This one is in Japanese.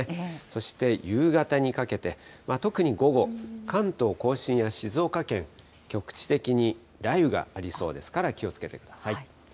そして、夕方にかけて、特に午後、関東甲信や静岡県、局地的に雷雨がありそうですから、気をつけてください。